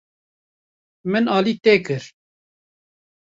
Min alî te kir.